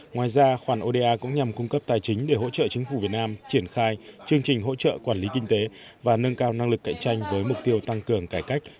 ngoài ra khoản oda cũng nhằm cung cấp tài chính để hỗ trợ chính phủ việt nam triển khai chương trình hỗ trợ quản lý kinh tế và nâng cao năng lực cạnh tranh với mục tiêu tăng cường cải cách